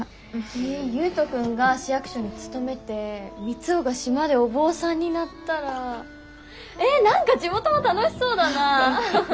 え悠人君が市役所に勤めて三生が島でお坊さんになったらえ何か地元も楽しそうだな！